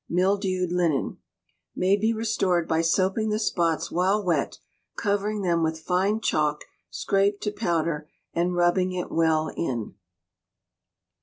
Mildewed Linen may be restored by soaping the spots while wet, covering them with fine chalk scraped to powder, and rubbing it well in.